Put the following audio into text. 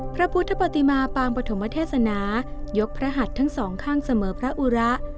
พระพุทธปฏิมาปางปฐมเทศนายกพระหัดทั้งสองข้างเสมอพระอุระ